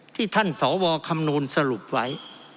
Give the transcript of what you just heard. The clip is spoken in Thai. ที่ท่านสวคำนวณสรุปไว้